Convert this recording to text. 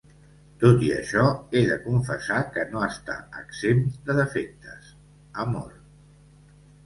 Tot i això, he de confessar que no està exempt de defectes, amor.